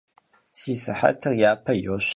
Si sıhetır yape yoş.